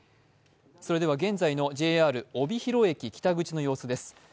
現在のＪＲ帯広駅北口の様子です。